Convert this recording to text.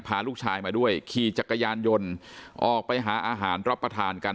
พาลูกชายมาด้วยขี่จักรยานยนต์ออกไปหาอาหารรับประทานกัน